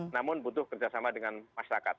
namun butuh kerjasama dengan masyarakat